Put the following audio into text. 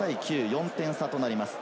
４点差となります。